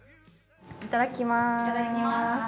いただきます。